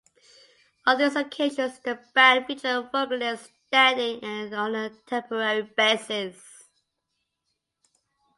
On these occasions the band featured vocalists standing in on a temporary basis.